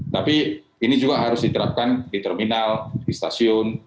tapi ini juga harus diterapkan di terminal di stasiun